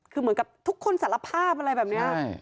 คือเหมือนกับทุกคนสารภาพอะไรแบบนี้